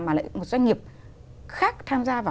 mà lại một doanh nghiệp khác tham gia vào